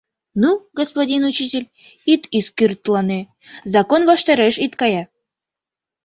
— Ну, господин учитель, ит ӱскыртлане, закон ваштареш ит кае.